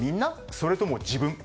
それとも自分？